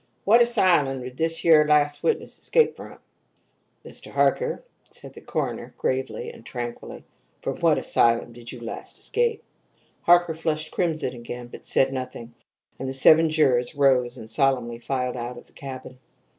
"What asylum did this yer last witness escape from?" "Mr. Harker," said the coroner, gravely and tranquilly, "from what asylum did you last escape?" Harker flushed crimson again, but said nothing, and the seven jurors rose and solemnly filed out of the cabin.